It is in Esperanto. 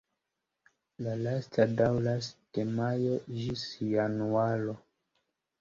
La lasta daŭras de majo ĝis januaro.